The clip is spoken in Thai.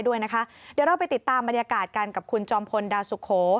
เดี๋ยวเราไปติดตามบรรยากาศกันกับคุณจอมพลดาวสุโข